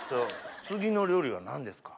次の料理は何ですか？